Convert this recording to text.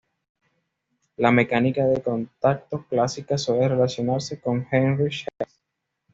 La mecánica de contacto clásica suele relacionarse con Heinrich Hertz.